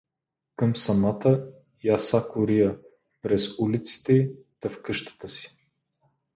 Към самата Ясакория, през улиците й та в къщата си.